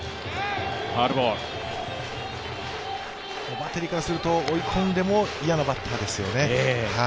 バッテリーからすると、追い込んでも嫌なバッターですよね。